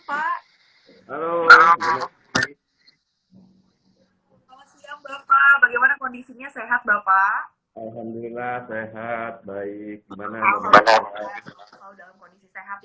pak halo selamat siang bapak bagaimana kondisinya sehat bapak alhamdulillah sehat baik baik